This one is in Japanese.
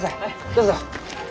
どうぞ。